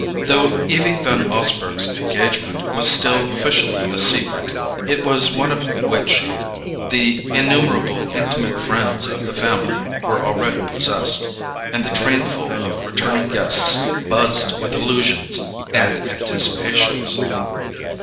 Though Evie Van Osburgh's engagement was still officially a secret, it was one of which the innumerable intimate friends of the family were already possessed; and the trainful of returning guests buzzed with allusions and anticipations.